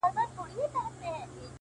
عزیز دي راسي د خپلوانو شنه باغونه سوځي!.